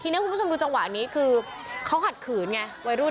ทีนี้คุณผู้ชมดูจังหวะนี้คือเขาขัดขืนไงวัยรุ่น